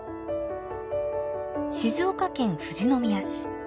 静岡県富士宮市。